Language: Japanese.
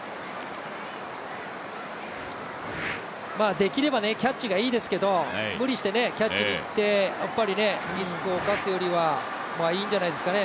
できればキャッチがいいですけど無理してキャッチにいってリスクを冒すよりはいいんじゃないですかね。